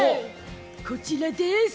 こちらです！